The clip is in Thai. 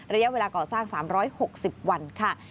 ระยะเวลาก่อสร้าง๓๖๐วันค่ะ